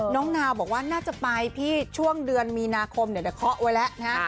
นาวบอกว่าน่าจะไปพี่ช่วงเดือนมีนาคมเดี๋ยวจะเคาะไว้แล้วนะ